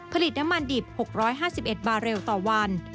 ผลิตน้ำมันดิบ๖๕๑บาเรลต่อวัน